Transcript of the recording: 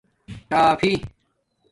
ٹآفی